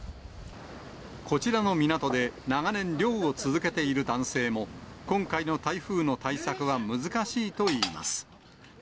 こちらの港で長年、漁を続けている男性も、今回の台風の対策は難しいといいます。